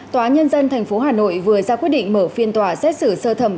tòa nhân dân tp hà nội vừa ra quyết định mở phiên tòa xét xử sơ thẩm